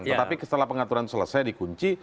tetapi setelah pengaturan selesai dikunci